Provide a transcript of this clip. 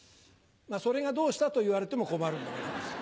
それがどうしたと言われても困るんでございますが。